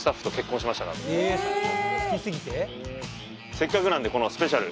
せっかくなんでこのスペシャル。